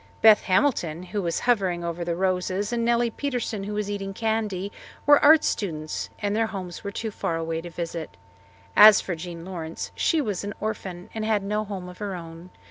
Beth Hamilton, who was hovering over the roses, and Nellie Preston, who was eating candy, were art students, and their homes were too far away to visit. As for Jean Lawrence, she was an orphan, and had no home of her own.